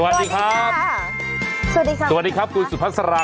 สวัสดีครับสวัสดีครับสวัสดีครับครับ